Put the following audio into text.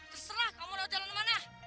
terserah kamu mau jalan kemana